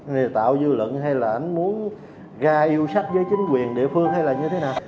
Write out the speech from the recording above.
nên là tạo dư luận hay là ảnh muốn gà yêu sách với chính quyền địa phương hay là như thế nào